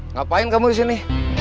ngapain kamu di sini